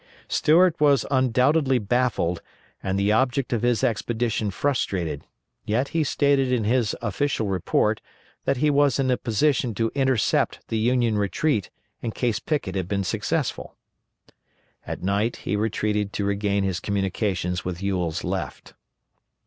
Stuart was undoubtedly baffled and the object of his expedition frustrated; yet he stated in his official report that he was in a position to intercept the Union retreat in case Pickett had been successful. At night he retreated to regain his communications with Ewell's left.